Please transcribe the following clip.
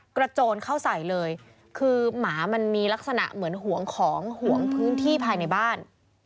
โจรเข้าใส่เลยคือหมามันมีลักษณะเหมือนห่วงของห่วงพื้นที่ภายในบ้าน